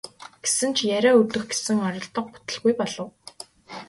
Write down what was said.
Гэсэн ч яриа өдөх гэсэн оролдлого бүтэлгүй болов.